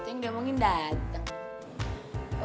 itu yang diomongin dateng